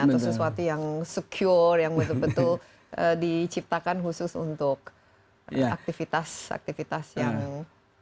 atau sesuatu yang secure yang betul betul diciptakan khusus untuk aktivitas aktivitas yang